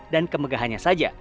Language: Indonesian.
dan kemegahannya saja